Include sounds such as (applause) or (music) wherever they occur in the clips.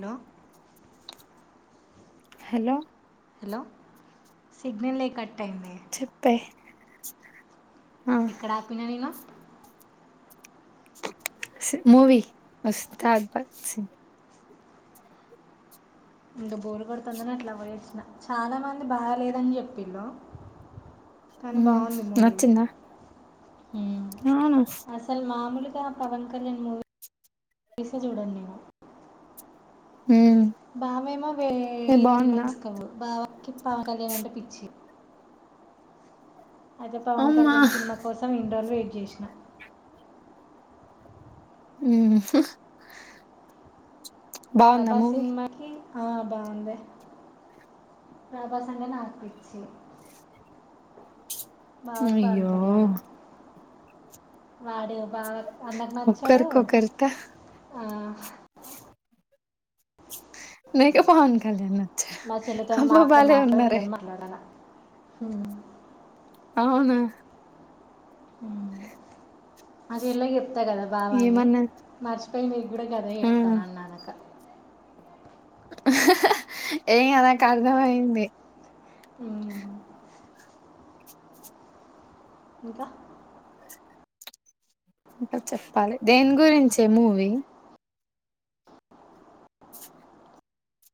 Hello hello hello సిగ్నలే cut అయింది చెప్పే ఆ ఎక్కడ ఆపినా నేను మూవీ వస్తా అక్బర్ సింగ్ ఇంకా బోర్కొడుతాందని అట్లా పోయచ్చిన చాలా మంది బాగాలేదని చెప్పిళ్ళు కానీ ఉమ్ బాగుంది మూవీ నచ్చిందా హ్మ్ అవును అసలు మామూలు ఆ పవన్ కళ్యాణ్ మూవీస్ చూడన్ నేను ఉమ్ బావేమో వే ఏ బాగుందా హీరోసిన్మాకివు బావకి పవన్ కళ్యాణ్ అంటే పిచ్చి అయితే పవన్ అమ్మా కళ్యాణ్ సినిమా కోసం ఇన్రోజులు వెయిట్ చేసిన ఉ హుహ్ ప్రభాసినిమాకి ఆ బాగుంది ప్రభాస్ అంటే నాకుపిచ్చి అయ్యో వాడు బాగా అన్నకు నచ్చాడు ఒక్కరికొకరిత ఆ నీకె పవన్కళ్యాను మా చెల్లతో మాట్లాడి మాట్లాడ నేన మాట్లాడానా అవును ఆ చెల్లే చేప్తాదాన బావ అని ఏమన్నా మర్చిపోయింది కూడా గదే ఆ చెప్తానన్నాక ఏ నాకు అర్థమైంది ఉమ్ ఇంకా ఇంకా చెప్పాలి దేని గురించే మూవీ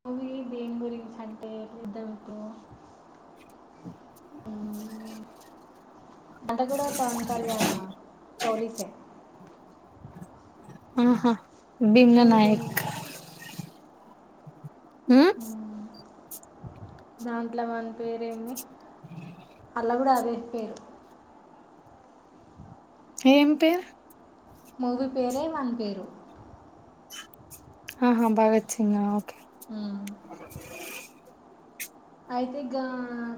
మూవీ దేన్ గురించంటే ఇడొంట్నౌ ఉమ్ అంతకూడా పవన్ కళ్యాణ పోలీసే ఆహా భిమ్లా మూవీ దేని నాయక్ గు- మ్ ఉమ్, దాంట్లో వాణి పేరేమీ అల్లా కూడా అదే పేరు సేమ్ పేర మూవీ పేరే వన్ పేరు ఆహా భగత్ సింగ్ ఓకే ఉమ్. అయితే గా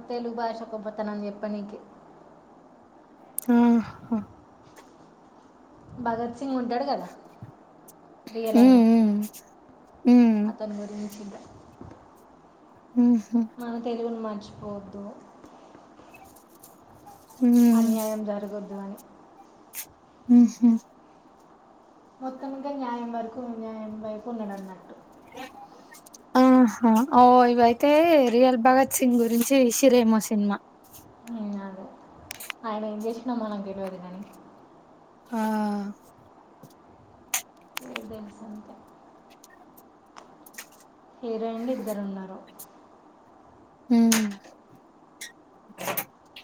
తెలుగు భాష గొప్పతానని చెప్పనికి ఉమ్ హా భగత్ సి సింగ్ ఉంటాడు కదా రియల్ ఉమ్ అయినే ఉమ్ హ్మ్ అతను గురించి (inaudible) హుహు. మన తెలుగును మర్చిపోద్దు హ్మ్. అన్యాయం జరగద్దు అని ఉహ్మ్ మొత్తమింగా న్యాయం వరకు అన్యాయం వైపు ఉండడన్నట్టు ఆహా ఔ ఇవైతే రియల్ భగత్ సింగ్ గురించి ఎషిరేమో సినిమా ఉమ్ అదే ఆయన ఎంజెశిన మనకి తెల్వదుగాని ఆ ఇడు తెలుసు అంతే హీరోయిన్లు ఇద్దరు ఉన్నారు ఉహూ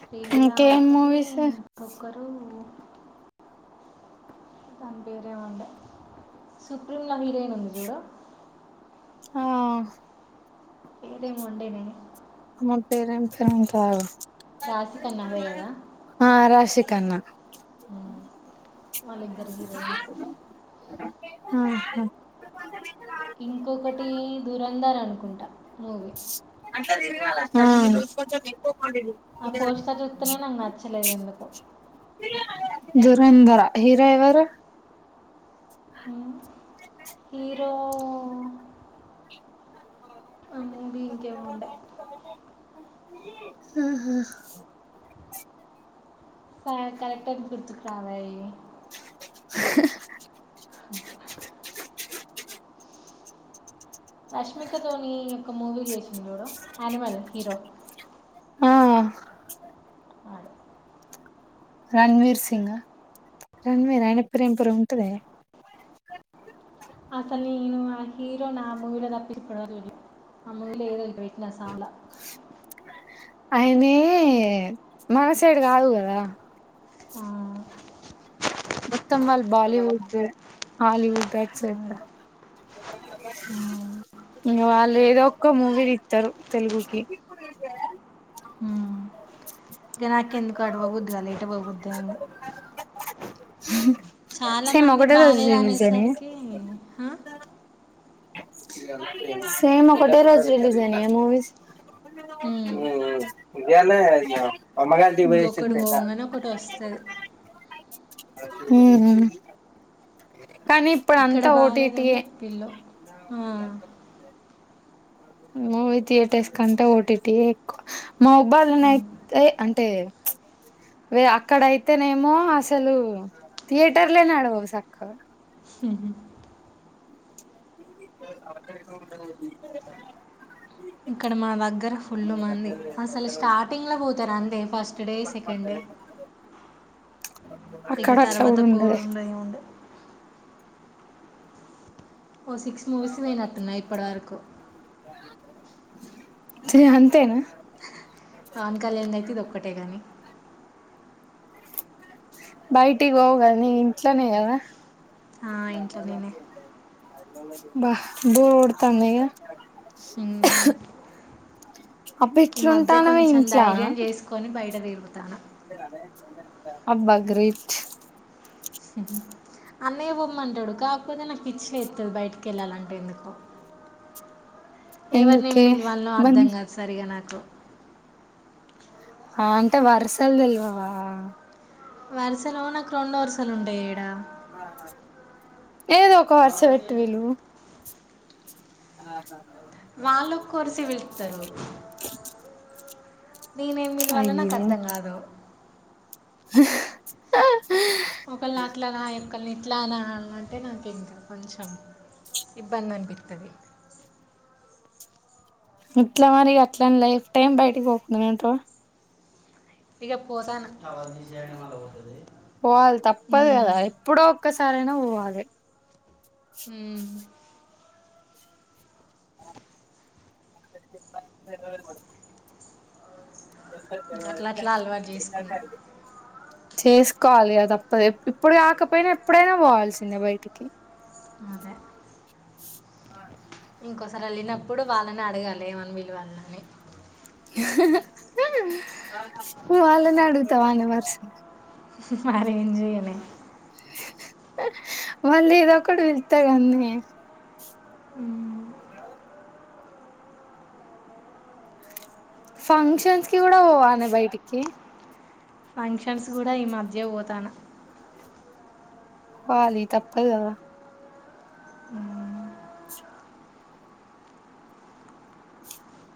శ్రీలీలా ఒకది ఇంకొక్కరు తాన పేరేముండే సుప్రీంలా హీరోయిన్ ఉంది చూడు ఆ పెరొమొ వుండేనే అమన్ పేరెంత అంతకాదు రాసికన్నా అదే కదా కన్నా వాళ్ళ ఇద్దరు హీరోయిన్స్ ఆహా ఇంకొకటి దూరంధార అనుకుంటా మూవీ అ ఆ పోస్టర్ చూస్తేనే నాకు నచ్చలేదు ఎందుకో దూరంధార హీరో ఎవరు హీరో ఆ మూవీ ఇంకేమో ఉండే హుహా సాయి కరెక్ట్ అని గుర్తుకురావాయ్ రష్మిక తోని యొక్క మూవీ చేసింది చూడు యానిమల్ హీరో ఆ వాడు రణవీర్ సింగా రణవీర్ అయనపేరు ఎంపేరో ఉంటదె అసల నేను ఆ హీరో అ మూవీలా తప్పి ఇప్పడి వరక్ చుళ్ళే అ మూవీ ఎదో పెట్నా సాలా ఆయనది మన సైడ్ గాదు గదా ఆ మొత్తం వాల్ బాలీవుడ్ హాలీవుడ్ (unintelligible) ఇంగ వాళ్ళు ఏదో ఒక్క మూవీ తీత్తరు తెలుగుకి ఇంగ నాక్ ఎందుకో అడుగబుద్ది కాలే ఇటే పోబుద్ది అయ్యింది చాలా సేమ్ మంది ఒకటే రోజు బాలేదు రిలీజ్ అయినయా అనేసరికి హ సేమ్ ఒకటే రోజు రిలీజ్ అయినై గ మూవీస్ ఉమ్. మ్ మ్ ఇయ్యల్నే అది ఇగ అమ్మ గారి ఇంటికి ఇక పోయొచ్చి ఒకటి తింటా పోగానే ఒకటి వస్తుంది మ్ కానీ ఇప్పుడు ఇక్కడ అంతా బాగాలేదు అని ఓటిటియే చెప్పిళ్ళు ఆ. మూవి థియేటర్స్ కంటా ఓటిటియే ఎక్కు మవ్బాద్ల ఉమ్. నైతే అంటే వె అక్కడైతేనేమొ అసలు థియేటర్లే నడవవు సక్కగా హు హు ఇక్కడ మా దగ్గర ఫుల్ మంది అసలు స్టార్టింగ్ల పోతార్ అంతే ఫస్ట్ డే సెకండ్ డే ఇగ అక్కడ అట్లా తర్వాత కూడా ఉండదే పోవుడుండద్ ఎం ఉండద్ ఓ సిక్స్ మూవీస్ కి పోయినట్టు ఉన్న ఇప్పడి వరకు తే అంతేనా పాన్ కళ్యాణ్ ది అయితే ఇది ఒక్కటే గాని బయటిక్ పోవు గద్నే ఇగ ఇంట్లనే గదా ఆ ఇంట్ల నేనే బ్బ బో కొడ్తాందిగ ఉమ్. ఈ మధ్య కొంచెం ధైర్యం జెసుకొని బయట తీర్ అబ్బా గ్రేట్ అన్నయ్య పోమ్మంటడు కాకపోతే నాక్ పిచ్చి లేత్తది బయటికేళ్ళాలంటే ఎందుకో ఎవరినేం ఎందుకే పిల్వాల్నో బన్నీ అర్థం గాద్ సరిగా నాకు ఆ అంత వర్సల్ తెల్వవా వరుసలో నాకు రొండు వరుసలు ఉంటాయి ఇడా ఏదో ఒక వర్స పెట్టి విలువు ఆహా హ వాళ్ళు ఒక్క వరుస పిలుస్తారు మేమేం పిలువల్నో నాకు అయ్యో అర్థం గాదు ఒకల్ని ఇట్లా అనా లంటే నాకు ఇంకా కొంచెం ఇబ్బందనిపిత్తది ఎట్లా మరి అట్లన్ లైఫ్ టైమ్ బయటికి పోకుండనే ఉంటవా ఇగ పోతాన పోవాల్ తప్పదు గదా ఎప్పుడో ఒక్కసారైనా పోవాలె హ్మ్ (unintelligible) ఇంకా అట్లా అట్లా అలవాటు చేసుకున్నా (unintelligible) చేసుకోవాలి ఇగ తప్పది ఇప్పుడు కాకపోయినా ఎప్పుడైనా పోవాల్సిందే బయటికి అదే ఇంకోసారి వెళ్ళినప్పుడు వాళ్ళనె అడగాలి ఏమన్ విలవాల్ని అని వాళ్లనే అడుగుతవనే వార్స్ మ మళ్ళేదొకటి పిళ్తే కదనే ఫంక్షన్స్ కి కూడా పోవలే బైటికి ఫంక్షన్స్ కూడా ఈ మధ్య పోతన పోవాలి తప్పదు కదా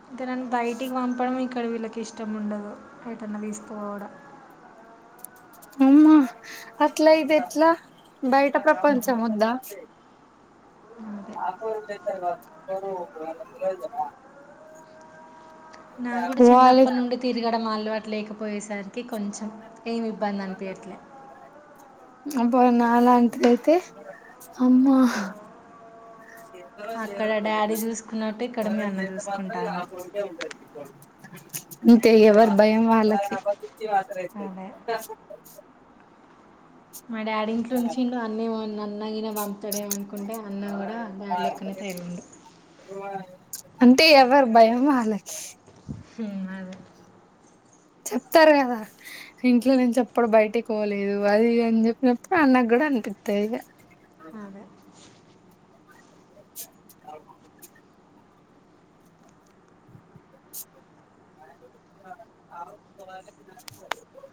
ఇక్కడ్ నన్ను బైటికి పంపడం ఇక్కడ వీళ్ళకి ఇష్టం ఉండదు ఏంటన్న తీస్కపోవడం అమ్మా అట్లా ఐతే ఎట్లా బైట ప్రపంచ ఓద్ద అదే (unintelligible) నా కూడా పోవాలి చిన్నప్ప నుండి తిరిగడం అలవాటు లేకపోయేసరికి కొంచెం ఏమి ఇబ్బంది అనిపియట్లే అబ్బ నాలాంటిది అయితే అమ్మా అక్కడ డాడీ చూసుకున్నట్టు ఇక్కడ మీ అన్న చూసుకుంటాడు ఇంకా ఎవర్ భయం వాళ్ళకే అదే మా డాడీ ఇంట్లుంచిడు అన్నీ (unintelligible) అన్నగిన పంపుతాడేమో అనుకుంటే అన్న కూడా డాడీ లెక్కనే తయరిండు అంటే ఎవరి భయం వాళ్ళకి ఉమ్ అదే చెప్తార్ కదా ఇంట్లో నుంచి ఎప్పుడు బైటిక్ పోలేదు అది అని చెప్పినప్పుడు అన్నక్ కూడా అనిపిత్తది ఇగా అదే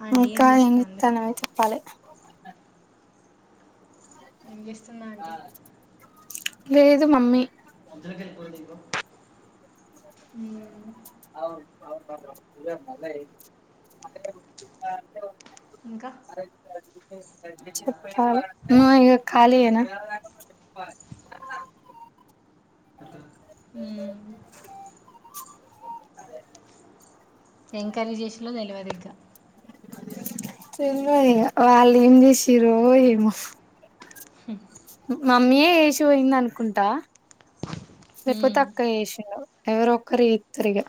ఆంటీ ఏం ఇంకా చేస్తుంది ఏంచేత్తానావే చెప్పాలె ఏం చేస్తుందా ఆంటీ లేదు మమ్మీ ఉమ్ అదే ఉట్టిగా ఇంకా చెప్పల్ నువ్ ఇగ కాలీ ఎన ఉమ్ ఎంకర్రీ జెషిన్లో తేల్వది ఇ తెల్వదు ఇగ వాళ్ళు ఎం చెషిరో ఏమో హ్మ్ మమ్మీయే యేసి పోయింద అనుకుంటా లేక్పోతే హ్మ్, అక్క చేసిందో ఎవరు ఒక్క రూ ఎత్తారు ఇగ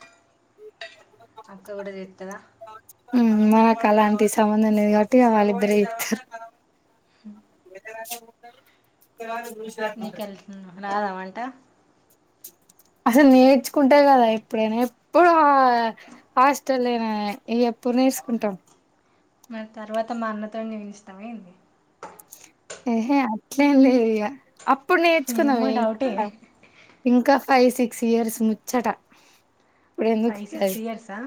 అక్క కూడా చేస్తుందా ఉమ్ మనకు అలాంటి సంబంధం లేది కాబట్టి వాళ్ళిద్దరే చేత్తరు నాద వంట అసలు నేర్చుకుంటే కదా ఎప్పుడైనా ఎప్పుడు ఆ హాస్టల్ ఎనయే ఇగ ఎప్పుడు నేస్కుంటవ్ మరి తర్వాత మా అన్నతో చేయిస్తనవేంది ఎహే అట్లే ఎం లేద్ ఇగ అప్పుడు ఏమో నేర్చుకున్నామే డౌటే ఇంకా ఫైవ్ సిక్స్ ఇయర్స్ ముచ్చట ఇప్పుడు ఫై సిక్స్ ఇయర్సా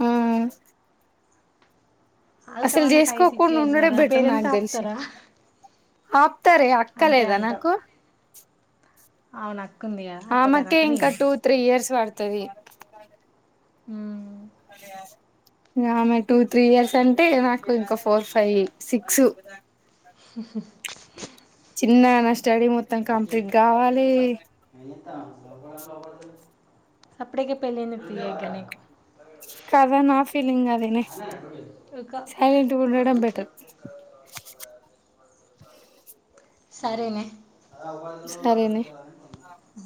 అ అసలు ఆగుతామని ఫైవ్ సిక్స్ చేసుకోకుండ ఇయర్స్ ఉండుడే వరా బెటర్ పేరెంట్స్ నాకు దెలిశి ఆపుతారా ఆప్తారె అక్క లేదా నాకు అవునా ఆమెకే ఇంకా టూ త్రీ ఇయర్స్ పడతది ఇగ ఆమె టూ త్రీ ఇయర్స్ అంటే నాకు ఇంక ఫోర్ ఫై సిక్స్ చిన్నానష్ అప్పుడుకే పెళ్లయిందా నీకు కదా నా ఫీలింగ్ అదేనే ఇక సైలెంట్ గుండడం బెటర్ సరేనే సరేనే ఆ